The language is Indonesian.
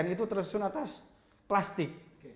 itu terus atas plastik